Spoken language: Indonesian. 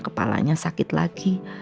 kepalanya sakit lagi